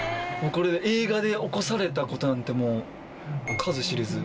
映画で起こされた事なんてもう数知れず。